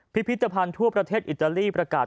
พิพิธภัณฑ์ทั่วประเทศอิตาลีประกาศ